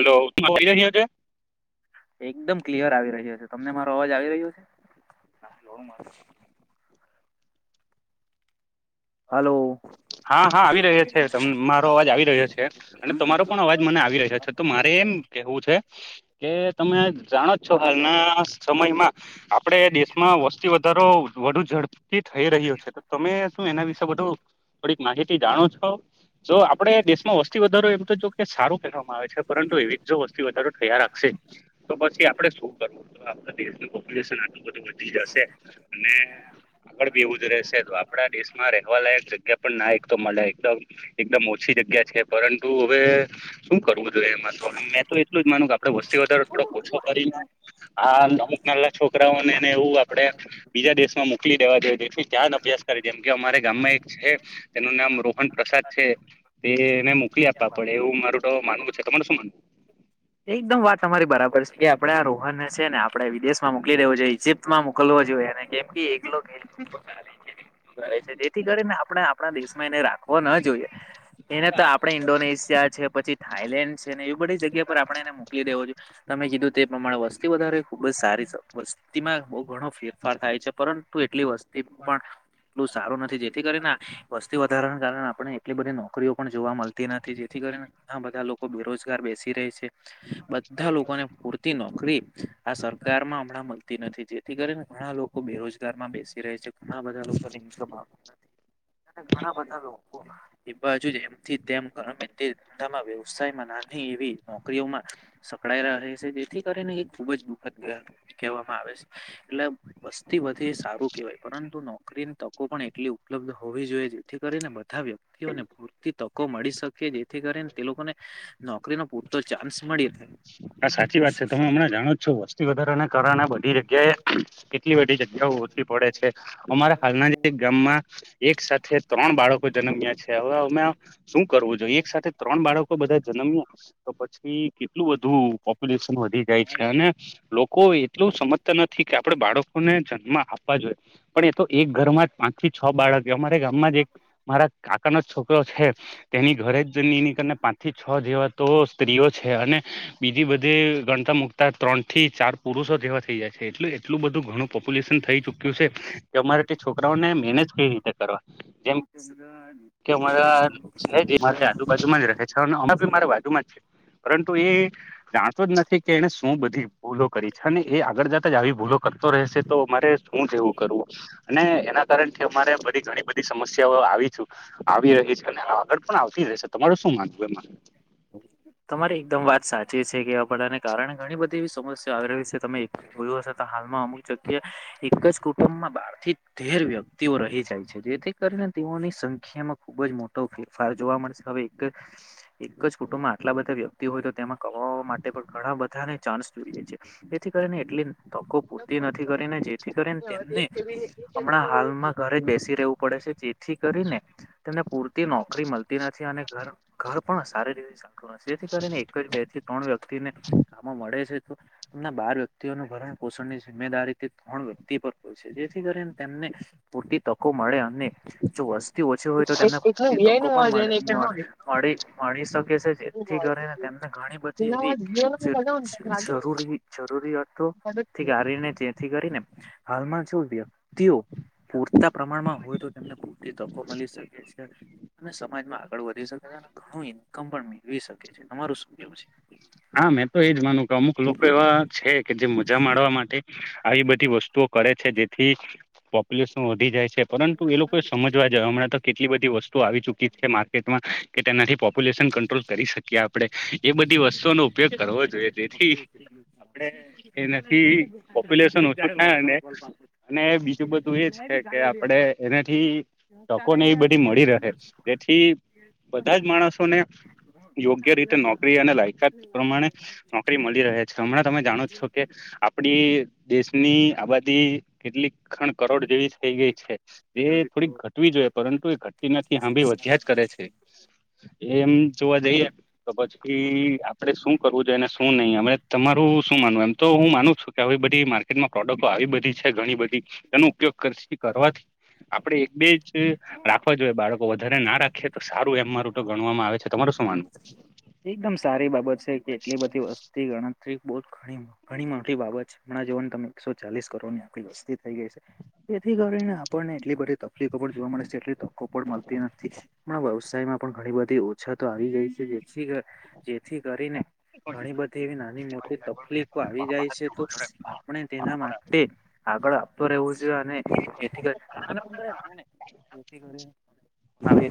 Hello આવી રહ્યો છે એકદમ ક્લિયર આવી રહ્યો છે તમને મારો અવાજ આવી રહ્યો છે આ કેવો માણસ છે હાલો. હા હા, આવી રહ્યો છે ત મારો અવાજ આવી રહ્યો છે અને તમારો પણ અવાજ મને આવી રહ્યો છે, તો મારે એમ કહેવું છે કે તમે જાણો જ છો હાલના સમયમાં આપડે દેશમાં વસ્તી વધારો વધુ ઝડપથી થઈ રહ્યો છે, તો તમે શું એના વિશે બધું થોડીક માહિતી જાણો છો? જો આપડે દેશમાં વસ્તી વધારો એમ તો જોકે સા કરવામાં આવે છે પરંતુ એવી જો વસતી વધારો થયા રાખશે તો પછી આપડે શું કરવું આપડા થી પોપ્યુલેશન આટું બધું વધી જશે અને આગળ બી એવું જ રહેશે તો આપણા દેશ રહેવા વાલાયક જગ્યા પણ ના એકતો મલે એકદમ એકદમ ઓછી જગ્યા છે પરંતુ હવે શું કરવું? ઘણું બધું હે એમાં મે તો એટલું જ માનું કે આપડે વસ્તી વધારો થોડો ઓછો કરીને આ અમુક નાના છોકરાઓને એને એવું આપડે બીજા દેશમાં મોકલી દેવા જોઈએ તેથી ત્યાં જ અભ્યાસ કરે છે એમ. અમારા ગામમાં એક છે તેનું નામ રોહન પ્રસાદ છે તેને મોકલી આપવા પડે એવું તોત માનવું છે તમારે શું માનવું. એકદમ વાત તમારી બરાબર છે કે આપડે આ રોહન છે ને આપણે વિદેશમાં મોકલી દેવો જોએ ઈજિપ્તમાં મોકલવો જોઈએ અને કેમ એક તેથી કરીને આપણે આપણા દિવસ ઓમ એને રાખવો ના જોઈએ. એને તો આપડે ઈન્ડોનેશિયા છે પછી થાઈલેન્ડ છે ને એવી બધી જગ્યા પર આપણે એને મોકલી દેવો જોઈએ તમે કીધું તે પ્રમાણે વસ્તી વધારે ખુબ જ સારી છે. વસ્તીમાં બઉ ઘણો ફેરફાર થાય છે પરંતુ એટલી વસ્તુ પણ એટલું સારું નથી જેથી કરીને વસ્તી વધારાને કારણે પણ એટલી બધી નોકરીઓ પણ જોવા મળતી નથી જેથી કરીને ઘણા બધા લોકો બેરોજગાર બેસી રહે છે બધા લોકોને પૂરતી નોકરી આ સરકારમાં હમણાં નથી જેથી કરીને ઘણા લોકો બેરોજગાર માં બેસી રહે છે, ઘણા બધા લોકોને ઈનકમ આવતી નથી. ઘણા બધા લોકો એ બાજુ એમથી તેમ ગમે તે ધંધામાં વ્યવસાયમાં ના હેવી હ કરીઓમાં સકળાયે રહે છે. જેથી કરીને એ ખુબ જ દુઃખદ કહેવામાં આવે છે એટલે વસ્તી વધી સારું કેહેવાય પરંતુ નોકરીની તકો પણ એટલી ઉપલબ્ધ હોવી જોઈએ જેથી કરીને બધા વ્યક્તિઓને પૂરતી તકો મળી શકે જેથી કરીને તે લોકોને નોકરીનો ચાન્સ મળી રહે. હા સાચી વાત છે તમે હમણાં જાણો છો વસ્તી વધારે ને કારણે બધા એ જગ્યાએ કેટલી બધી જગ્યાઓ ઓછી પડે છે અમારા હાલના જ એક ગામમાં એક સાથે ત્રણ બાળકો જન્મ્યા છે હવે અમે શું કરવું જોઈએ એક સાથે ત્રણ બાળકો બધા જન્મવુ તો પછી કેટલું એટલું બધું પોપ્યુલેશન વધી જાય છે અને લોકો એટલું સમજતા નથી કે આપણે બાળકોને જન્મ આપવા જોઈએ પણ એ તો એક ઘર માં પાંચથી છ બાળક અમારે ગામમાં જ એક મારા કાકાનો છોકરો છે તેની ઘરે જ એનીને પાંચ થી છ જેવા તો બધું સ્ત્રીઓ છે અને બી જે બધે ગણતા મુકતા ત્રણ થી ચાર પુરુષો જેવા થઈ જાય છે એટલે એટલું બધું ઘણું પોપ્યુલેશન થઈ ચુક્યું છે કે અમારે તે છોકરાઓને મેનેજ કઈ રીતે કરવા. જેમ કે અમારા છે જે મારી આજુબાજુ માં જ રહે છે અમે મારા બાજુમાં જ છે. પરંતુ એ જા તો જ નથી કે એને શું બધી ભૂલો કરી છે અને એ આગળ જતા જ આવી ભૂલો કરતો રહેશે તો અમારે શું શું કરવું એને કારણે અમારે ઘણી બધી સમસ્યાઓ આવી આવી રહી છે. આગળ પણ આવતી રહેશે તમારું શું માનવું એ તમારે એકદમ વાત સાચી છે કે આપ ને કારણે ઘણી બધી એવી સમસ્યા આવી રહી છે તમે જોય હશે તો હાલમાં અમુક જગ્યા એક જ કુટુંબમાં બાર થી તેર વ્યક્તિઓ રહી જાય છે જેથી કરીને તેઓની સંખ્યામાં ખુબ જ મોટો ફેરફાર જોવા મળશે હવે એક એક જ કુટુંબમાં આટલા બધા વ્યક્તિ હોય તો તેમાં ક ઘણા બધાને ચાન્સ જોઈએ છે જેથી કરીને એટલે તકો પૂરતી નથી કરીને જેથી કરીને તેમને હમણાં હાલમાં ઘરે જ બેસી રહેવું પડે. જેથી કરીનેને પૂરતી નોકરી મળતી નથી અને ઘર પણ સારી જેથી કરીને એક જ બે થી ત્રણ વ્યક્તિ ને કામો મળે છે. એમ બાર વ્યક્તિઓનું ભરણ પોષણ ની જીમ્મેદારી ત્રણ વ્યક્તિ પર જેથી કરીને તેમને પૂરતી તકો મળે અને જો થી ઓછી હોય તો તેમને તકો પણ મળી મળી શકે છે જેથી કરી ને તેમ ઘણી બધી એવી જ જરૂરી જરૂરિયાતો થી કરીને જેથી કરીને હાલમાં જો વ્યક્તિઓ પૂરતા પ્રમાણમાં હોય તો તેમને પૂરતી તકો મલી શકે છે. અને સમાજમાં આગળ વધી શકે છે અને ઘણું ઈન્કમ પણ મેળવી શકે છે તમારું શું કેવું છે. હા મેં તો એજ માનું કે અમુક લોકો એવા છે કે જે મજા માણવા માટે આવી બધી વસ્તુઓ કરે છે જેથી પોપ્યુલેશન વધી જાય છે પરંતુ એ લોકોએ સમજવા જ હમણાં તો કેટલી બધી વસ્તુ આવી ચુકી છે માર્કેટમાં કે તેનાથી પોપ્યુલેશન કંટ્રોલ કરી શકીએ આપડે એ બધી વસ્તુઓનો ઉપયોગ કરવો જોઈએ જેથી આપણે એનાથી પોપ્યુલેશન ઓછું થાય અને [inaudible] અને બીજું બધું એજ છે કે આપણેે એનાથી ટકો ને એ બધી મળી રહે તેથી બધા જ માણસોને યોગ્ય રીતે નોકરી અને લાયકાત પ્રમાણે નોકરી મળી રહે છે હમણાં તમે જાણો છો કે આપડી દેશની આ કેટલીણ કરોડ જેવી થઈ ગઈ છે એ થોડીક ઘટવી જોઈ પરંતુ એ ઘટી નથી આંભી વધ્યા જ કરે છે એમ જોવા જઈએ તો પછી આપણે શું કરવું જોઈએ અને શું નહીં અમ તમારું શું માનવું એમ તો હું માનું છું કે આવીવે બધી માર્કેટમાં પ્રોડક્ટો આવે એ બધી છે ઘણી બધી એનો ઉપયોગ કરાશી કરવાથી આપડે એક બેજ રાખવા જોઈએ બાળકો વધારે ના રાખીએ તો સારું એમ મારું તો ગણવામાં આવે છે તમાર એકદમ સારી બાબત કે એટલી બધી વસ્તી ગણતરી બ ઘણી ઘણી મોટી બાબત છે હમણાં જોવોને તમે એકસો ચાલીસ કરો વસ્તી થઈ ગઈ છે તેથી કરી આપણને એટલી બધી તકલીફો પણ જોવા મળશે એટ પણ મળતી નથી પણ વ્યવસાયમાં પણ ઘણી બધી ઓછાતો આવી ગઈ છે જેથી જે કરીને ઘણી બધી એવી નાની મોટી તકલીફો આવી જાય છે તો આપણે તેના માટે આગળ આપતું રેવું આવે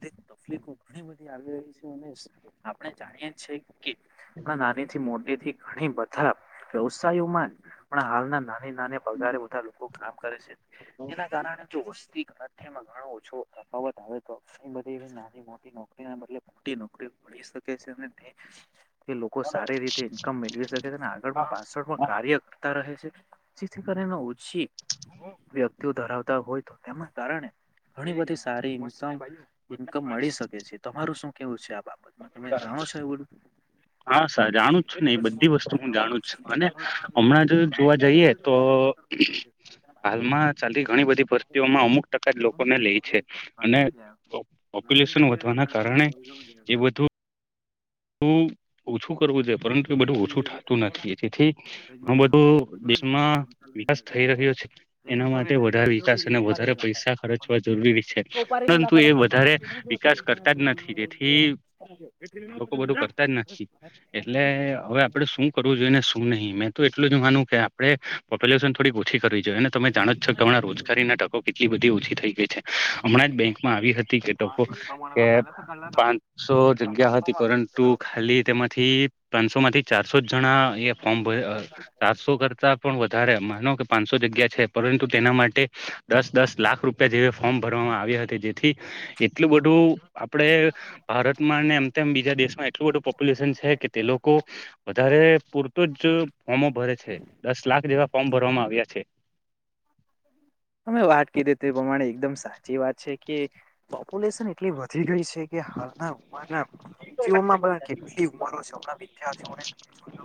[unintelligible] [inaudible] તકલીફો ઘણી બધી આવી રહી છે અને આપણે જાણીએ જ છે. નાનીથી મોટીથી ઘણી બધા વ્યવસાયોમાં પણ હાલના નાને નાને પગારે બધા લોકો કામ કરે છે એના કારણે જો વસ્તી અત્યમાં ઘણો ઓછો તફાવત આવે તો ઘ બધી એવી નાની મોટી નોકરી ના બદલે મોટી નોકરી પોલીસો કે છેે. એ લોકો સારી રીતે ઈન્કમ મેળવી શકે છે અને આગળ પણ પાછા પણ કાર્ય કરતા રહે છે. જેથી કરી ઓછી વ્યક્તિઓ ધરાવતા હોય તો તેના કારણે ઘણી બધી સારી ઇન્ ઇન્કમ મળી શકે છે તમારું શું કેવું છે આ બાબત તમે જાણો છો એ બધું હા સર જાણું જ છે ને એ બધી વસ્તુ હું જાણું જ છ અને હમણાં જો જોવા જઈએ તો તો હાલમાં ચાલતી ઘણી બધી ભરતીઓમાં અમુક ટકા જ લોકોને લે છે અને [inaudible] પોપ્યુલેશન વધવાના કારણે એ બધું તું ઓછું પરંતુ એ બધું ઓછું થતું નથી એથી હ બધું દેશમાં વિકાસ થ રહ્યો છે એક એના મીઠો માટે વધારે વિકાસ અને કે વધારે પૈસા ખર્ચ જરૂરી છે પરંતુ એ વધારે વિકાસ કરતા જ નથી તેથી [inaudible] લોકો બધું કરતા જ નથી એટલે હવે આપડણેે શું કરવું જોઈએ ને શું નહી મેં તો એટલું જ માનું કે આપણે પોપ્યુલેશન થોડી ઓછી કરવી જોઈએ અને તમે જાણો જ છો કે હમણાં રોજગારીના તકો કેટલી બધી ઓછી થઈ ગઈ છે હમણાં જ બેંકમાં આવી હતી કે પાંચસો જગ્યા હતી પરંતુ પરંતુ ખાલી તેમાંથી પાંચસો માંથી ચારસો જણા એ ફોર્મ ભ ચારસો કરતા પણ વધારે માનો કે પાંચસો જગ્યા પરંતુ તેના માટે દસ દસ લાખ રૂપિયા જેવી ફોર્મ ભરવામાં આવી હતી. જેથી એટલું બધું આપડે ભારતમાં ને એમ- તેમ બીજા દેશોમાં. એટલું બું પોપ્યુલેશન છે, કે તે લોકો વધારે પૂરતું જ ફોર્મો ભરે છે. લાખ જેવા ફોર્મ ભરવામાં આવ્યા છે‌. અમે વાટકી દે એ પ્રમાણે એકદમ સાચી વાત છે, કે પોપ્યુલેશન એટલી વધી ગઈ છે, કે હાલના અતિઓમાં કેટલી ઉંમરો છે, માં વિચારથી.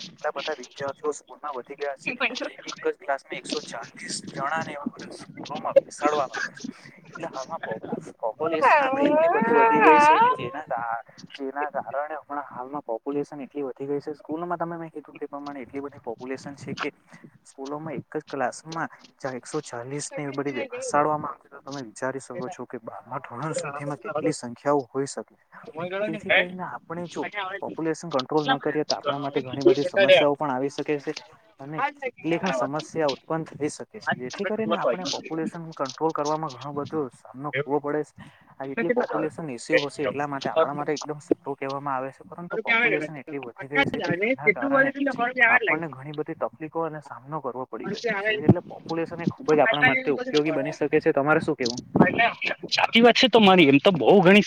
એટલા બધા વિદ્યાર્થીઓ સ્કૂલમાં વધી ગયા છે, એક જ એક ક્લાસમાં એક સો ચાલીસ જણા ને સ્કૂલોમાં બેસાડવા છે, એટલે હું. પોલસન આપડે એટલી બધી વધી ગઈ છે, કે જેના જેના કારણે હમણા હાલમાં પોપ્યુલેશન એટલી વધી ગઈ છે, સ્કૂલમાં તમે મેં કીધું તે પ્રમાણે એટલી બધી લે છે, કે સ્કૂલોમાં એક જ ક્લાસમાં એકસો ચાલીસ ને બધી ખસાડવામાં આવે, તો તમે વિચારી શકો છો, કે ધોરણ સુધીમાં કેટલી સંખ્યાઓ હોઈ શકે. જેથી કરીને આપણે જો પોપ્યુલેશન કંટ્રોલ ન કરીએ તો આપણા માટે ઘણી બધી સમસ્યા પણ આવી શકે છે, અને કેટલી સમસ્યા ઉત્પન્ન થઈ શકે. જેથી કરીને આપણે પોપ્યુલેશન કંટ્રોલ કરવામાં ઘણું બધો સામનો જોવો પડે આ જેટલી પોપ્યુલેશન ઇસ્યુ હશે એટલા માટે આપણા માટે એકદમ સલો કહેવામાં આવે. પરંતુ પોપ્યુલેશન એટલી વધી ગઈ છે, કે જેના કારણે આપણને ઘણી બધી તકલીફો અને સામનો કરવો પડી રહ્યો છે, એટલે પોપ્યુલેશન એ ખૂબ જ આપણા માટે ઉપયોગી બની શકે છે, તમારે શું? કેવું સાચી વાત છે, તો મારી એમ તો બહુ ગણી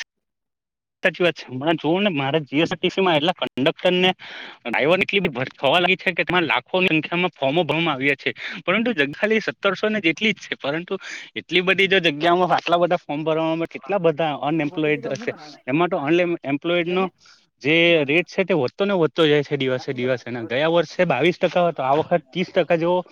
સાચી વાત છે, હમણાં જોવું ને મારા જીએસસીમાં એટ કંડક્ટરને ડ્રાઈવર નેટલી બી સરખાં. કે તેમાં લાખો સંખ્યામાં ફોર્મો ભરવામાં આવ્યા છે, પરંતુ ખાલી સત્તરસો ને જેટલી જ છે, પરંતુ એટલી બધી જો જગ્યામાં આટલા બધા ફોર્મ ભરવાવામાં ના બધા અન એમ્પ્લોઈડ હશે. એમાં તો અન એમ્પ્લોઈડ નો જે રેટ છે, તે વધતો ને વધતો જાય છે, દિવસે દિવસેના ગયા. વર્ષે બાવીસ ટકા હતો, આ વખત ત્રીસ ટકા જેવો‌.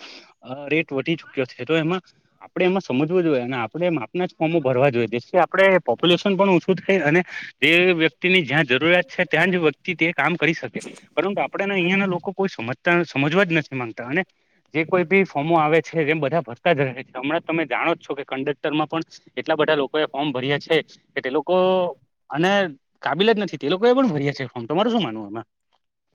અ રેટ વધી ચુક્યો છે, તો એમાં આપડે એમાં સમજવું જોઈએ અને આપડે. ના ફોર્મો ભરવા જોઈએથી આપણે પોપ્યુલેશન પણ ઓછું થાય, અને તે વ્યક્તિની જ્યાં જરૂરિયાત છે, ત્યાં જ વ્યક્તિ તે કામ કરી શકે, પરંતુ આપડે અહિયાં ના લોકો કોઈ સમજતા સમજવા જ નથી, માંગતા અને ને જે કોઈ બી ફોર્મો આવે છે, જેમ બધા ભરતા જ રહે છે, હમણાં તમે જાણો જ છો, કે કંડક્ટરમાં પણ. એટલા બધા લોકો એ ફોર્મ ભર્યા છે, કે તે લોકો કાબિલ જ નથી તે લોકો એ પણ ભરીયા છે, ફોટો તમારું શું માનવું એમાં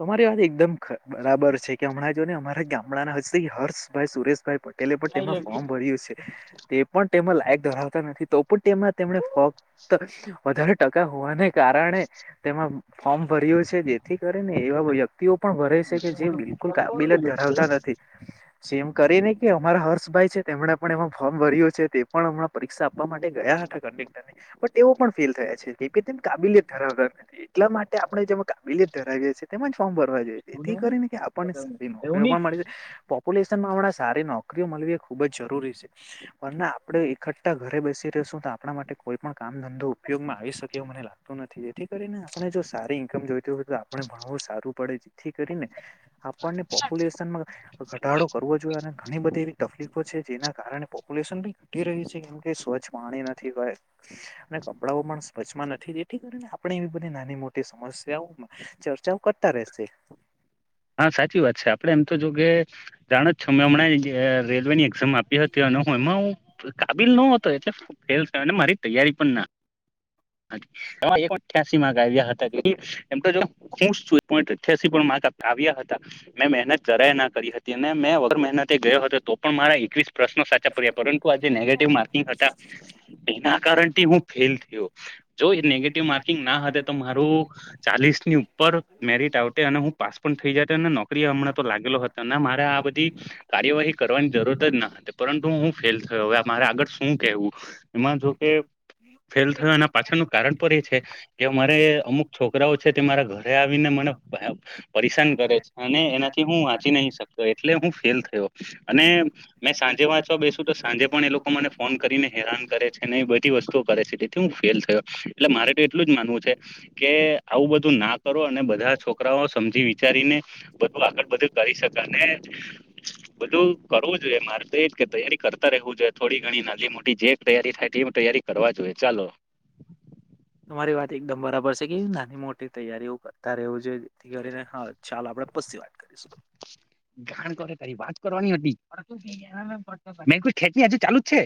તમારી વાત એકદમ બરાબર છે, કે હમણાં ને અમારા ગામડાના હસી હર્ષભાઈ સુરેશભાઈ પટે. પેલે પટ્ટીમાં પણ તેમાં ફોર્મ ભર્યું છે, તે પણ તેમાં લાયક ધરાવતા નથી. તો પણ તેમાં તેમને ફાવતા વધારે હોવાને કારણે તેમાં ફોર્મ ભર્યો છે, જેથી કરીને એવા વ્યક્તિઓ પણ ભરે છે. કે જે બિલકુલ કાબિલ જ ધરાવતા નથી. જેમ કરી ને કે અમારા હર્ષ ભાઈ છે, તેમણે પણ એમાં ફોર્મ ભર્યો છે, તે પણ હમણાં પરીક્ષા માટે ગયા હતા, કંડકટર ને તેવો પણ ફીલ થયા છે, કે તેમ કાબિલિયત ધરાવતા નથી એટલા માટે આપણે જેમાં કાબિલિયત ધરાવીએ છીએ, તે ફોર્મ ભરવા જો તેથી કરીને કે આપણને સારી નોકરીઓ પણ મળી છે. હમણાં સારી નોકરીઓ મળવી એ ખુબ જ જરૂરી છે પણ આપણે એકઠાં ઘરે બેસી રહેશું તો આપણા માટે કોઈ પણ કામ ધંધો ઉપયોગમાં આવી શકે એવું મને લાગતું નથી, જેથી કરીને આપણે જો સારી ઈન્કમ જોઈતી હોય તો આપણે ભણવું સારું પડે જેથી કરીને પોપ્યુલેશનમાં ઘટાડો કરવો જોઈએ, અને ઘણી બધી એવી તકલીફો છે, જેના કારણે ન ઘટી રહ્યું છે, કેમ કે સ્વચ્છ પાણી નથી હોય, અને કપડાઓ પણ વચમાં નથી તેથી કરીને આપણે એવી બધી નાની મોટી સમસ્યાઓ ચર્ચાઓ કરતા રહેશે હા સાચી વાત છે આપડે એમ તો જો કે જાણ જ છો મેં હમણાં અ રેલવે ની એક્ઝામ આપી હતી એમાં હું કાબિલ ન હતો એલે ફેલ થયો ને મારી તૈયારી પણ ના [unintelligible] એઠ્યાસી માગ આવ્યા હતા એમ તો ખુશ છુંઠ્યાસી પણ માગ આપ આવ્યા હતા મેં મહેનત જરાય ના કરી હતી અને મેં વગર મહેનત તે ગયો હતો તો પણ મારા એકવીસ પ્રશ્નો સાચા પડ્યા પરંતુ આ જે નેગેટિવ માર્કિંગ હતા તેના કારણથી હું ફેલ થયો જો નેગેટીવ માર્કિંગ ના હટે તો મારું ચાલીસની ઉપર મેરીટ આવતે અને હું પાસ પણ થઈ જ અને નોકરી હમણાં તો લાગેલો હતો અને મારે આ બધી કારી એ વહી કરવાની જરૂર જ ના હતી પરંતુ હું ફેલ થયો હવે મારે આગળ શું કેવું એમાં જો કે ફેલ થયો એના પાછળનું કારણ પણ એ છે કે અમારે અમુક છોકરાઓ છે તે મારા ઘરે આવે મને બહ પરેશાન કરે છે અને એનાથી હું વાંચી નહી શકતો એટલે હું ફેલ થયો અને મેં સાંજે વાંચવા બેસુ તો સાંજે પણ એ લોકો મને ફોન કરીને હેરાન કરે છે ને બધ ઘી વસ્તુ કરે છે તેથી હું ફેલ થયો એટલે મારે તો એટલું જ માનવું છે કે આવું બધું ના કરો અને બધા છોકરાઓ સમજી વિચારીને બધું આગળ બધું કરી શકે અને બધું કરવું જોઈએ મારે તો કે તૈયારી કરતા રહેવું જોઈએ થોડી ઘણી નાની મોટી જે તૈયારી થાય તે તૈયારી કરવા જોએ ચાલો તમારી વાત એકદમ બરાબર છે કે નાની મોટી તૈયારીઓ કરતા રહેવું છે જેથી કરીને હા ચાલો આપણેે પસી વાત કરી શું ગણ કરે તારી વાત કરવાની હતી [unintelligible] મેઈ ખેચ હજુ ચાલુ જ છે